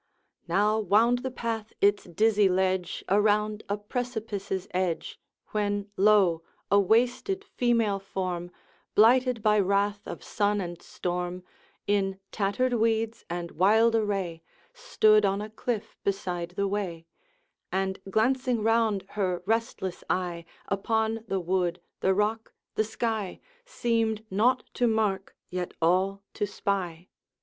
Now wound the path its dizzy ledge Around a precipice's edge, When lo! a wasted female form, Blighted by wrath of sun and storm, In tattered weeds and wild array, Stood on a cliff beside the way, And glancing round her restless eye, Upon the wood, the rock, the sky, Seemed naught to mark, yet all to spy.